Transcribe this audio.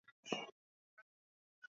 Kwa kukata tamaa nilijaribu.